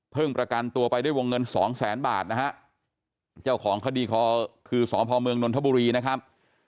ประกันตัวไปด้วยวงเงินสองแสนบาทนะฮะเจ้าของคดีคอคือสพเมืองนนทบุรีนะครับ